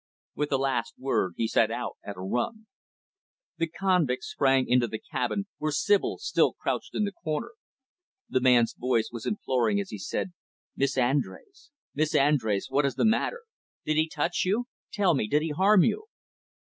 With the last word he set out at a run. The convict sprang into the cabin, where Sibyl still crouched in the corner. The man's voice was imploring as he said, "Miss Andrés, Miss Andrés, what is the matter? Did he touch you? Tell me, did he harm you?"